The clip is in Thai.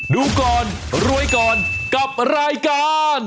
ดูก่อนรวยก่อนกับรายการ